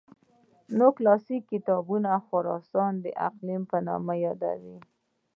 نور کلاسیک کتابونه خراسان د اقلیم په نامه یادوي.